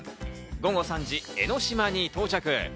午後３時、江の島に到着。